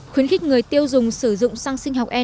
khuyến khích người tiêu dùng sử dụng xăng sinh học e